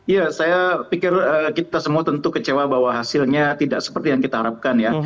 ya saya pikir kita semua tentu kecewa bahwa hasilnya tidak seperti yang kita harapkan ya